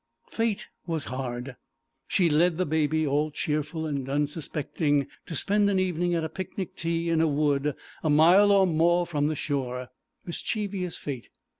Fate was hard; she led the Baby, all cheerful and unsuspecting, to spend an evening at a picnic tea in a wood a mile or more from the shore. Mischievous Fate!